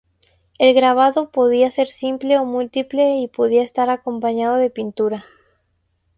El grabado podía ser simple o múltiple, y podía estar acompañado de pintura.